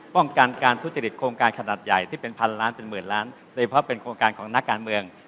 ป้องกันการทุจริตโครงการขนาดใหญ่ที่เป็นพันล้านเป็นหมื่นล้านโดยเฉพาะเป็นโครงการของนักการเมือง